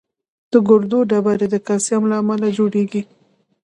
د ګردو ډبرې د کلسیم له امله جوړېږي.